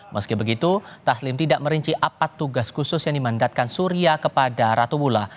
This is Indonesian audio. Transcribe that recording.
meski begitu taslim tidak merinci apa tugas khusus yang dimandatkan surya kepada ratu bula